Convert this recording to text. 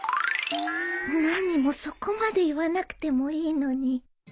何もそこまで言わなくてもいいのに